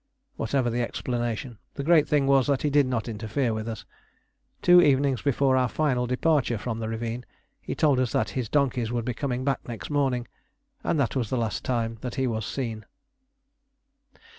Whatever the explanation, the great thing was that he did not interfere with us. Two evenings before our final departure from the ravine, he told us that his donkeys would be coming back next morning, and that was the last time that he was seen.